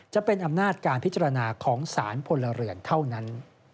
จะเป็นอำนาจการพิจารณาของสารพลเรือนเท่านั้น